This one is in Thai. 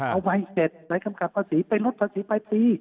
เอาไว้เสร็จไว้กำกัดประสิทธิ์ไปรถประสิทธิ์ไปฟรี